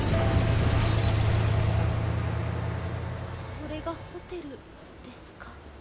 これがホテルですか？